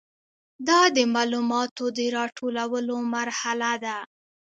دا د معلوماتو د راټولولو مرحله ده.